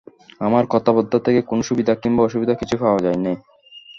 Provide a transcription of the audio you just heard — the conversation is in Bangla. আমার কথাবার্তা থেকে কোনো সুবিধা কিংবা অসুবিধা কিছুই পাওয়া যায় না।